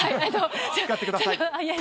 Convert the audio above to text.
使ってください。